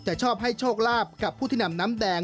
ชอบให้โชคลาภกับผู้ที่นำน้ำแดง